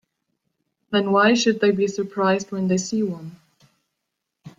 Then why should they be surprised when they see one?